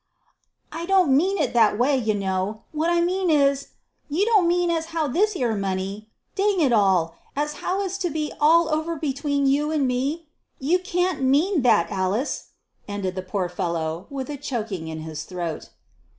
"I don't mean that way, you know. What I mean is, you don't mean as how this 'ere money dang it all! as how it's to be all over between you and me? You can't mean that, Alice!" ended the poor fellow, with a choking in his throat.